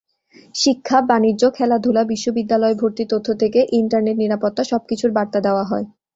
শিক্ষা, বাণিজ্য, খেলাধুলা, বিশ্ববিদ্যালয়ে ভর্তি তথ্য থেকে ইন্টারনেট নিরাপত্তা—সবকিছুর বার্তা দেওয়া হয়।